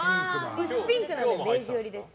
薄ピンクなのでベージュ寄りです。